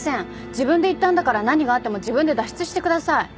自分で行ったんだから何があっても自分で脱出してください。